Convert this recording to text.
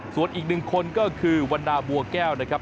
ส่วนอีกหนึ่งคนก็คือวันนาบัวแก้วนะครับ